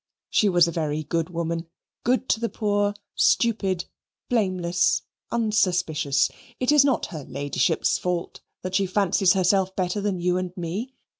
She was a very good woman: good to the poor; stupid, blameless, unsuspicious. It is not her ladyship's fault that she fancies herself better than you and me.